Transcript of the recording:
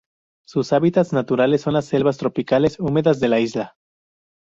Sus hábitats naturales son las selvas tropicales húmedas de la isla.